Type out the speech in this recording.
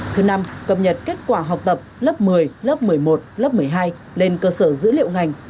thứ năm cập nhật kết quả học tập lớp một mươi lớp một mươi một lớp một mươi hai lên cơ sở dữ liệu ngành